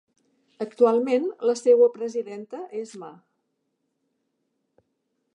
Actualment, la seua presidenta és Ma.